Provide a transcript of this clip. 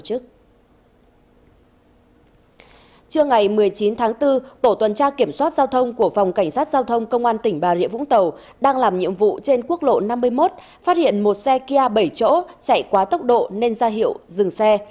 trước ngày một mươi chín tháng bốn tổ tuần tra kiểm soát giao thông của phòng cảnh sát giao thông công an tỉnh bà rịa vũng tàu đang làm nhiệm vụ trên quốc lộ năm mươi một phát hiện một xe kia bảy chỗ chạy quá tốc độ nên ra hiệu dừng xe